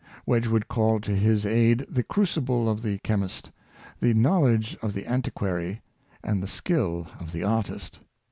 V/edgwood called to his aid the crucible of the chem ist, the knowledge of the antiquary, and the skill of the artist.